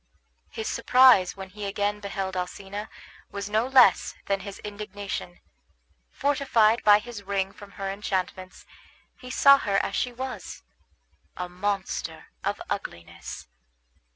His surprise when he again beheld Alcina was no less than his indignation. Fortified by his ring from her enchantments, he saw her as she was, a monster of ugliness.